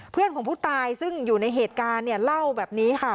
เพื่อนของผู้ตายซึ่งอยู่ในเหตุการณ์เนี่ยเล่าแบบนี้ค่ะ